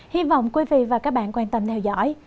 hy vọng quý vị và các bạn quan tâm theo dõi